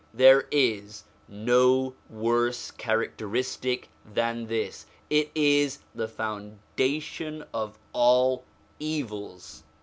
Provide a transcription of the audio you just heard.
There is no worse characteristic than this; it is the foundation of all evils.